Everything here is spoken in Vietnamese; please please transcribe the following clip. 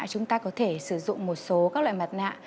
chúng ta có thể sử dụng một số các loại mặt nạ